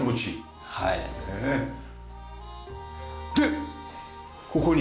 でここに。